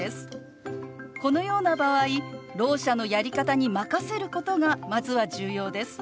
このような場合ろう者のやり方に任せることがまずは重要です。